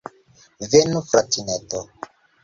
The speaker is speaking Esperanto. Venu, fratineto!